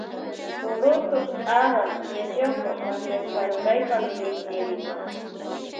Purutu habas melloco fanesca ruraypa minishtirin.